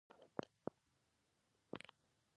نوشابه هډوکي پوکوي